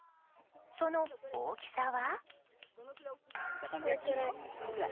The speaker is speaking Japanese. その大きさは。